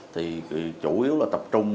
thì chủ yếu là tập trung